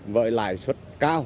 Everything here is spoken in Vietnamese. với lãi suất cao